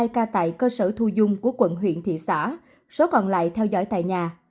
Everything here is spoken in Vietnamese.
hai trăm linh hai ca tại cơ sở thu dung của quận huyện thị xã số còn lại theo dõi tại nhà